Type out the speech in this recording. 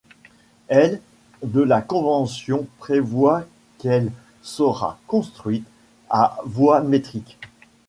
L' de la convention prévoit qu'elle sera construite à voie métrique.